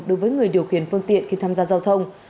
đối với người điều khiển phương tiện khi tham gia giao thông